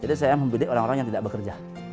jadi saya mempunyai orang orang yang tidak bekerja